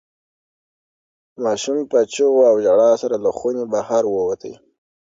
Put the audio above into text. ماشوم په چیغو او ژړا سره له خونې بهر ووت.